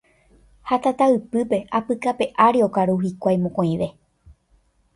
ha tataypýpe apykape ári okaru hikuái mokõive.